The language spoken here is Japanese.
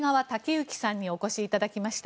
之さんにお越しいただきました。